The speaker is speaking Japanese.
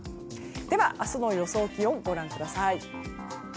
では、明日の予想気温ご覧ください。